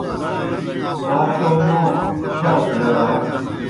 آ کوْم موں تھاسُس بوْ یا؟